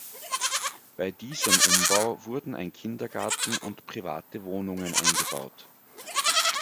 Bei diesem Umbau wurden ein Kindergarten und private Wohnungen eingebaut.